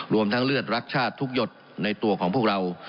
รวมทั้งเลือดรักชาติทุกหยดในตัวของพวกเรา